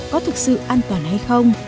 có thực sự an toàn hay không